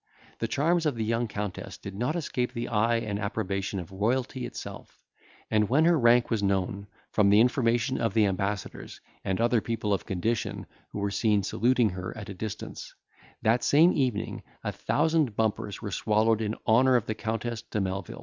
The charms of the young Countess did not escape the eye and approbation of royalty itself; and when her rank was known, from the information of the ambassadors and other people of condition who were seen saluting her at a distance, that same evening a thousand bumpers were swallowed in honour of the Countess de Melvil.